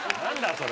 それ。